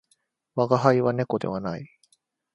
我が輩は猫ではない